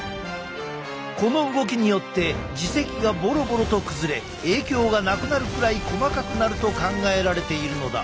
この動きによって耳石がボロボロと崩れ影響がなくなるくらい細かくなると考えられているのだ。